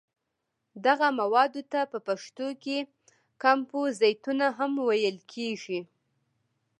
دغه موادو ته په پښتو کې کمپوزیتونه هم ویل کېږي.